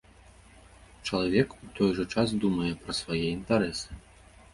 Чалавек у той жа час думае пра свае інтарэсы.